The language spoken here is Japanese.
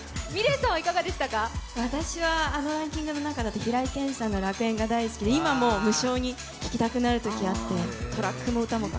私は、あのランキングの中でも平井堅さんの「楽園」が大好きで今も無性に聴きたくなるときがあります。